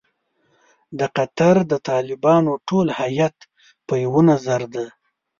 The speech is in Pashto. د قطر د طالبانو ټول هیات په یوه نظر دی.